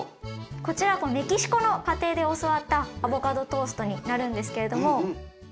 こちらメキシコの家庭で教わったアボカドトーストになるんですけれども。